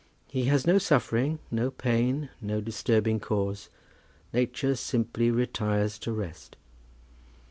He has no suffering, no pain, no disturbing cause. Nature simply retires to rest."